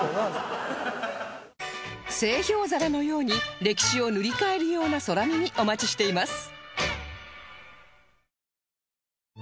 製氷皿のように歴史を塗り替えるような空耳お待ちしています